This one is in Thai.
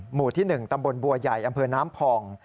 หมู่ที่๑ตำบลบัวใหญ่อำเภอน้ำผ่อง